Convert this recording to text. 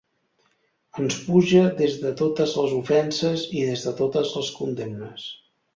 Ens puja des de totes les ofenses i des de totes les condemnes.